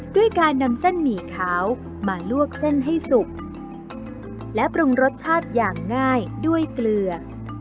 ด้วยการนำเส้นหมี่ขาวมาลวกเส้นให้สุกและปรุงรสชาติอย่างง่ายด้วยเกลือ